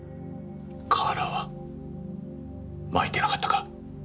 カーラーは巻いてなかったか？